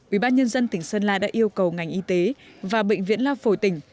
ủy ban nhân dân tỉnh sơn la đã yêu cầu ngành y tế và bệnh viện lao phổi tỉnh